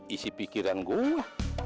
isi pikiran gua